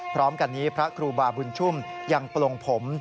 พร้อมกันนี้พระครูบาบุญชุ่มยังปลงผม